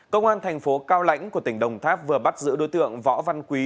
công an thành phố cao lãnh của tỉnh đồng tháp vừa bắt giữ đối tượng võ văn quý